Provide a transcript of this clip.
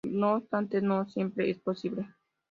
No obstante, no siempre es posible.